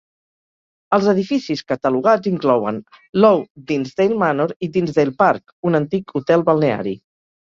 Els edificis catalogats inclouen Low Dinsdale Manor i Dinsdale Park, un antic hotel balneari.